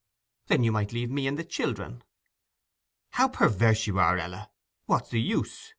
'Then you might leave me and the children!' 'How perverse you are, Ell! What's the use?